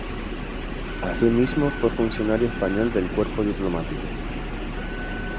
Así mismo fue funcionario español del cuerpo diplomático.